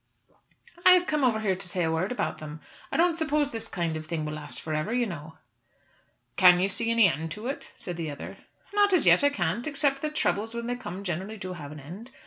"I have come over here to say a word about them. I don't suppose this kind of thing will last for ever, you know." "Can you see any end to it?" said the other. "Not as yet I can't, except that troubles when they come generally do have an end.